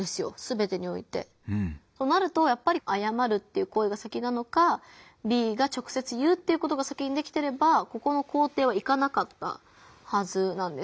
そうなるとやっぱり「謝る」という行為が先なのかＢが直接言うっていうことが先にできてればここの工程はいかなかったはずなんです。